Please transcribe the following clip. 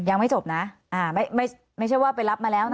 ยังไม่จบนะไม่ใช่ว่าไปรับมาแล้วนะ